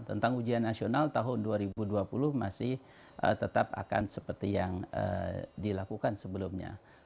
tentang ujian nasional tahun dua ribu dua puluh masih tetap akan seperti yang dilakukan sebelumnya